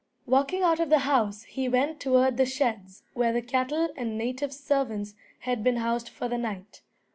Walking out of the house he went toward the sheds where the cattle and native servants had been housed for the night.